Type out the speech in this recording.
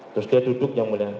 terus dia duduk yang mulia